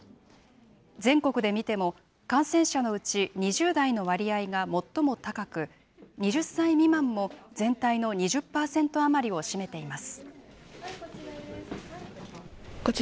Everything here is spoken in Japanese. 全国で見ても、感染者のうち２０代の割合が最も高く、２０歳未満も全体の２０％余りを占めています。